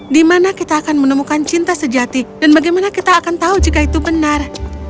dimana kita akan menemukan cinta sejati dan bagaimana kita akan tahu jika itu benar